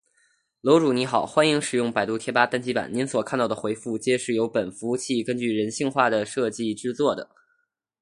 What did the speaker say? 楼主你好：欢迎使用百度贴吧单机版！您所看到的回复，皆是由本服务器根据人性化的设计制作的